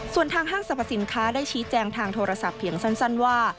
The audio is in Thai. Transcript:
ส่วนทางห้างสรรพสินค้าได้ชี้แจงทางโทรศัพท์เพียงสั้นว่า